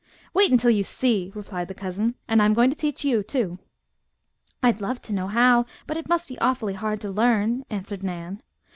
"Wait until you see!" replied the cousin. "And I am going to teach you, too." "I'd love to know how, but it must be awfully hard to learn," answered Nan.